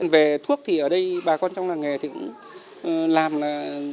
về thuốc thì ở đây bà con trong làng nghề thì cũng làm là